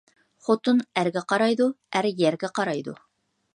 خوتۇن ئەرگە قارايدۇ، ئەر يەرگە قارايدۇ